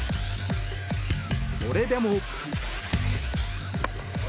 それでも。